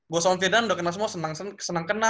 gue sama firdan udah kena semua senang senang kena